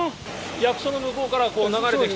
役所の向こうから流れてきて。